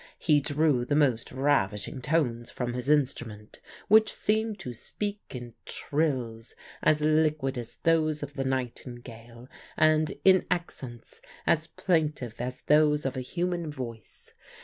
He drew the most ravishing tones from his instrument, which seemed to speak in trills as liquid as those of the nightingale, and in accents as plaintive as those of a human voice.